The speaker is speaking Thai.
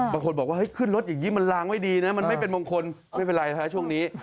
บางคนบอกว่าขึ้นรถอย่างนี้มันล้างไว้ดีนะมันไม่เป็นมงคลไม่เป็นไรฮะช่วงนี้